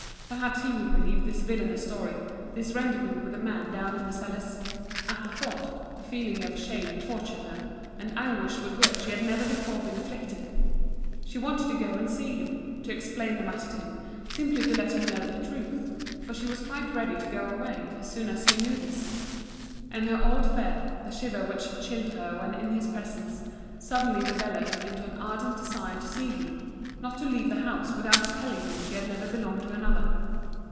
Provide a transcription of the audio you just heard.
Perhaps he would believe this villainous story, this rendezvous with a man down in the cellars. At the thought, a feeling of shame tortured her, an anguish with which she had never before been afflicted. She wanted to go and see him, to explain the matter to him, simply to let him know the truth; for she was quite ready to go away as soon as he knew this. And her old fear, the shiver which chilled her when in his presence, suddenly developed into an ardent desire to see him, not to leave the house without telling him she had never belonged to another.